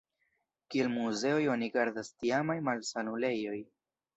Kiel muzeoj oni gardas tiamaj malsanulejoj.